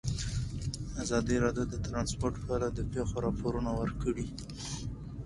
ازادي راډیو د ترانسپورټ په اړه د پېښو رپوټونه ورکړي.